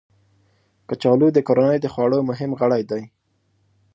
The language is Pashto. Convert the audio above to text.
کچالو د کورنۍ د خوړو مهم غړی دی